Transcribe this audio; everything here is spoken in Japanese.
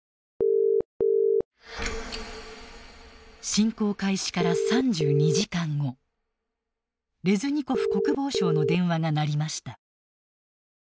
☎侵攻開始から３２時間後レズニコフ国防相の電話が鳴りました。